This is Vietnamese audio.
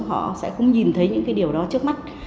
họ sẽ không nhìn thấy những cái điều đó trước mắt